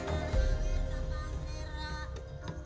nah ini sudah hilang